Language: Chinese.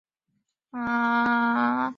愈创木酚遇三氯化铁变为蓝色。